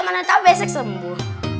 mana tau besek sembuh